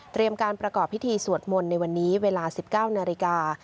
การประกอบพิธีสวดมนต์ในวันนี้เวลา๑๙นาฬิกา